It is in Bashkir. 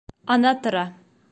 Ана тора...